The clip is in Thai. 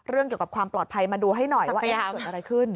เกี่ยวกับความปลอดภัยมาดูให้หน่อยว่าเกิดอะไรขึ้น